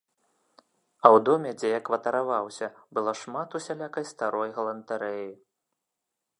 А ў доме, дзе я кватараваўся, было шмат усялякай старой галантарэі.